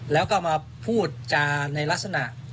แล้วก็มาพูดจาในลักษณะ